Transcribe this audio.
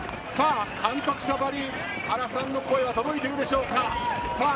監督車ばりの原さんの声は届いているのでしょうか。